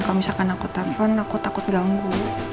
kalau misalkan aku telpon aku takut ganggu